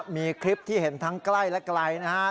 มีคลิปที่เห็นทั้งใกล้และไกลนะครับ